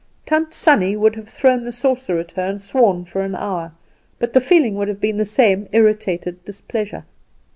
Tant Sannie would have thrown the saucer at her and sworn for an hour; but the feeling would be the same irritated displeasure.